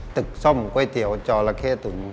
ตึกส้มกล้วยเตียวจราเข้ตุ๋ม